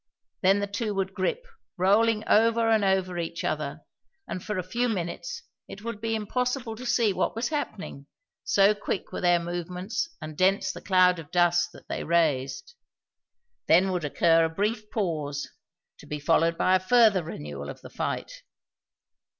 Then the two would grip, rolling over and over each other, and for a few minutes it would be impossible to see what was happening, so quick were their movements and dense the cloud of dust that they raised. Then would occur a brief pause, to be followed by a further renewal of the fight.